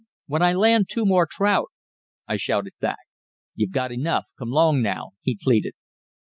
"When I land two more trout," I shouted back. "You've got enough; come 'long now," he pleaded.